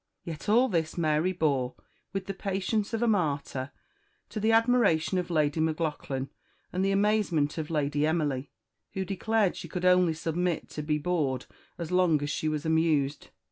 Yet all this Mary bore with the patience of a martyr, to the admiration of Lady Maclaughlan and the amazement of Lady Emily, who declared she could only submit to be bored as long as she was amused.